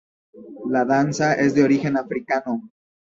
La danza es de origen africano.